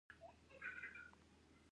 د نفتي موادو ذخیرې شته